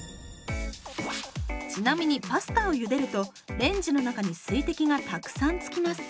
ちなみにパスタをゆでるとレンジの中に水滴がたくさんつきます。